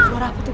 suara apa tuh